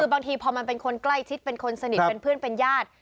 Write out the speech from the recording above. บางทีพอมันเป็นคนใกล้ชิดเป็นคนสนิทเป็นเพื่อนเป็นญาติ